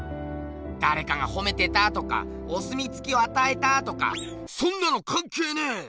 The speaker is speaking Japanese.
だれかがほめてたとかお墨付きを与えたとかそんなのカンケーねえ！